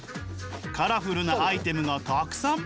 カラフルなアイテムがたくさん。